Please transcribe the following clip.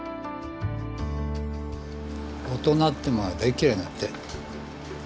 大人ってものは大嫌いになって。